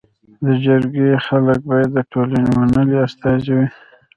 د جرګي خلک باید د ټولني منلي استازي وي.